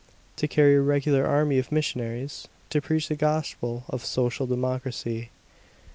To carry a regular army of missionaries, to preach the gospel of social democracy.